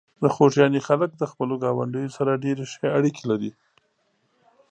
د خوږیاڼي خلک د خپلو ګاونډیو سره ډېرې ښې اړیکې لري.